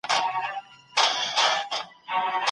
څه شی شيان سره مروړي .